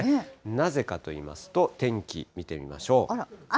なぜかといいますと、天気見てみましょう。